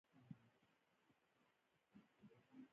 پکورې د فطري خوندونو نښه ده